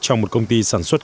trong một công ty sản xuất